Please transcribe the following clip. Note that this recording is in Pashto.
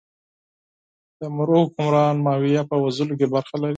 د مرو حکمران ماهویه په وژلو کې برخه لري.